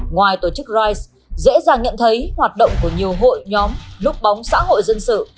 ngoài tổ chức rise dễ dàng nhận thấy hoạt động của nhiều hội nhóm núp bóng xã hội dân sự